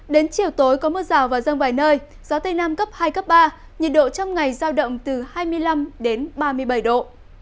đến chiều tối có mưa rào và rông vài nơi gió tây nam cấp hai cấp ba nhiệt độ trong ngày giao động từ hai mươi năm đến ba mươi bảy độ